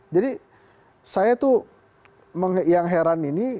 jadi saya tuh yang heran ini